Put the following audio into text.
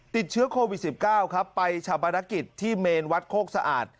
ติดเชื้อโควิด๑๙ครับไปชาปนกิจที่เมนวัดโคกสะอาด